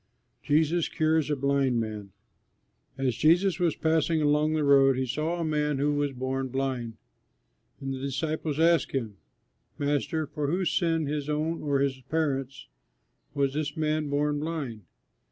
JESUS CURES A BLIND MAN As Jesus was passing along the road he saw a man who was born blind, and the disciples asked him, "Master, for whose sin, his own or his parents', was this man born blind?"